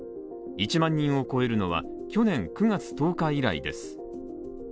１万人を超えるのは去年９月１０日以来です。